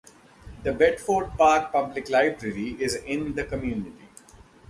The Bedford Park Public Library is in the community.